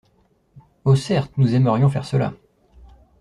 Oh, certes, nous aimerions faire cela.